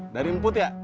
dari input ya